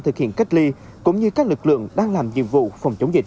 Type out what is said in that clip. thực hiện cách ly cũng như các lực lượng đang làm nhiệm vụ phòng chống dịch